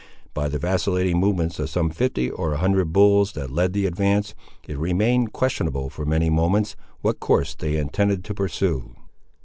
By the vacillating movements of some fifty or a hundred bulls, that led the advance, it remained questionable, for many moments, what course they intended to pursue.